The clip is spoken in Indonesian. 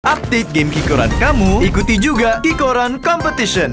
update game kikoran kamu ikuti juga kikoran competition